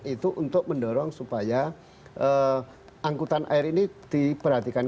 itu untuk mendorong supaya angkutan air ini diperhatikan